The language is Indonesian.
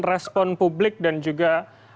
respon publik dan juga